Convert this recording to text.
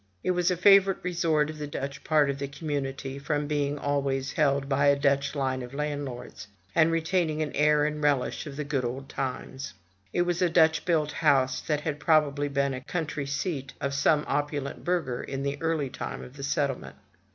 It was a favorite resort of the Dutch part of the community, from being always held by a Dutch line of landlords, and retain ing an air and relish of the good old times. It was a Dutch built house, that had probably been a country seat of some opulent burgher in the early time of the settlement.